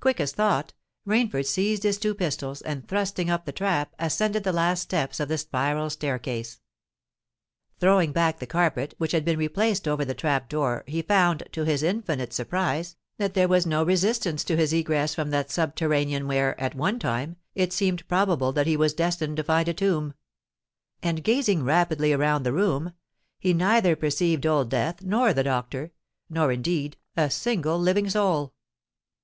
Quick as thought, Rainford seized his pistols, and thrusting up the trap, ascended the last few steps of the spiral staircase. Throwing back the carpet which had been replaced over the trap door, he found, to his infinite surprise, that there was no resistance to his egress from that subterranean where, at one time, it seemed probable that he was destined to find a tomb; and, gazing rapidly around the room, he neither perceived Old Death nor the Doctor—nor indeed a single living soul.